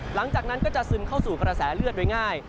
หลังจากนั้นก็จะซึมเข้าสู่กระแสเลือดโดยง่าย